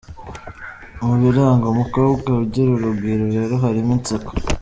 Mu biranga umukobwa ugira urugwiro rero, harimo inseko.